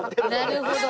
なるほど。